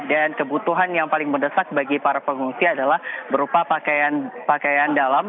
dan kebutuhan yang paling mendesak bagi para pengungsi adalah berupa pakaian dalam